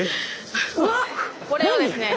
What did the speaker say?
これをですね